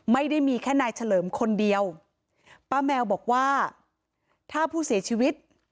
ไม่ได้มีแค่นายเฉลิมคนเดียวป้าแมวบอกว่าถ้าผู้เสียชีวิต